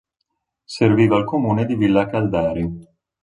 Serviva il comune di Villa Caldari.